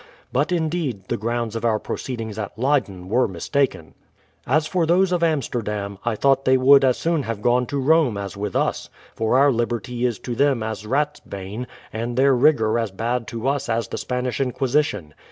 But indeed the grounds of our proceedings at Leyden were mis taken. As for those of Amsterdam, I thought they would as soon have gone to Rome as with us ; for our liberty is to them as rat's bane, and their rigour as bad to us as the Spanish inquisition.